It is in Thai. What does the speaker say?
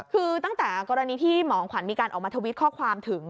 คือตั้งแต่กรณีที่หมองขวัญมีการออกมาทวิตข้อความถึง